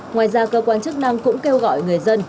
ngoài ra cơ quan chức năng cũng kêu gọi người dân